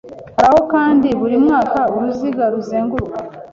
Hariho kandi buri mwaka uruziga ruzenguruka